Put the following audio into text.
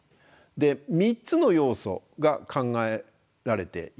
３つの要素が考えられています。